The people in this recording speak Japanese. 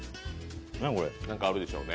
何かあるでしょう。